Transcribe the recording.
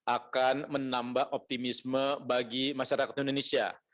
akan menambah optimisme bagi masyarakat indonesia